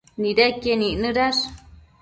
nidequien icnëdash